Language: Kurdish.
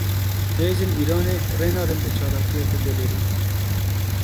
Hêzên Îranê rê nadin ti çalakiyeke gelêrî.